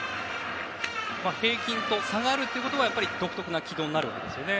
平均が下がるということは独特な軌道になるわけですよね。